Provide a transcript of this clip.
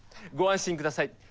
ご安心ください。